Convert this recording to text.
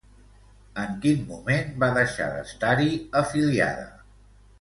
En quin moment va deixar d'estar-hi afiliada?